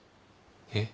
えっ。